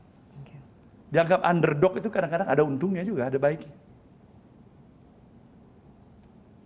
dianggap dianggap dianggap dianggap itu kadang kadang ada untungnya juga ada baiknya